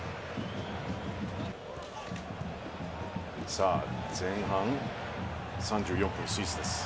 さあ前半３４分、スイスです。